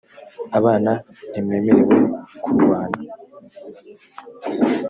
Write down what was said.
abana ntimwemerewe kurwana.